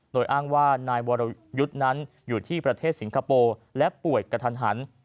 โดยอ้างว่านายวรยุทธ์นั้นอยู่ที่ประเทศสิงคโปร์และป่วยกระทันหัน